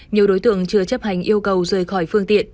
nhiều đối tượng chưa chấp hành yêu cầu rời khỏi phương tiện